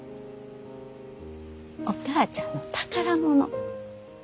お母ちゃんの宝物。